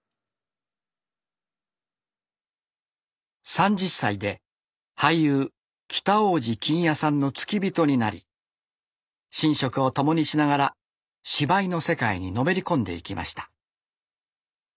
３０歳で俳優北大路欣也さんの付き人になり寝食を共にしながら芝居の世界にのめり込んでいきました。